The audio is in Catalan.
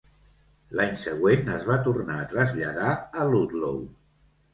L'any següent es va tornar a traslladar a Ludlow.